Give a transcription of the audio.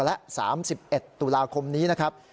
และ๓๑ตุลาคมนี้นะครับ